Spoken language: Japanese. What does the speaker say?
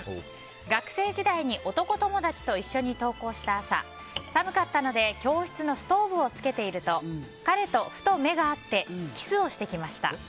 学生時代に男友達と一緒に登校した朝寒かったので教室のストーブをつけていると彼とふと目が合ってキスをしてきました。